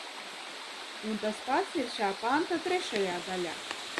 Un tas pats ir šā panta trešajā daļā.